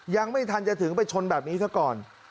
ยังไม่ทันจะถึงไปชนแบบนี้ซะก่อน